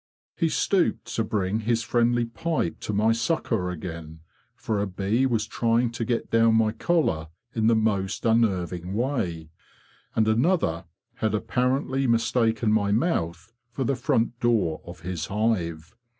He stooped to bring his friendly pipe to my succour again, for a bee was trying to get down my collar in the most unnerving way, and another had apparently mistaken my mouth for the front door of his hive.